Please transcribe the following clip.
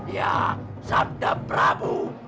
ya sabda prabu